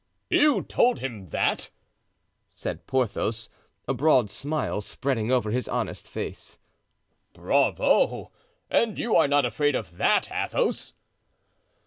"You told him that?" said Porthos, a broad smile spreading over his honest face. "Bravo! and you are not afraid of that, Athos?"